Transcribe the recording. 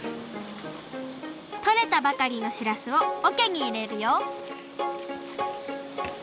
とれたばかりのしらすをおけにいれるよ